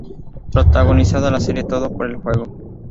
Protagoniza la serie "Todo por el juego".